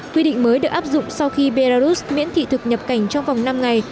quy định mới được áp dụng sau khi belarus miễn thị thực nhập cảnh trong vòng năm ngày